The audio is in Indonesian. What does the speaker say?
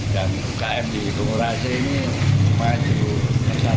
dan km di bungurasi ini lumayan cukup besar